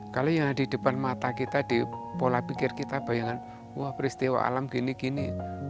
kalau yang di depan mata kita di pola pikir kita bayangan wah peristiwa alam gini gini